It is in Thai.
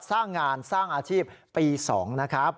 สร้างงานสร้างอาชีพปี๒นะครับ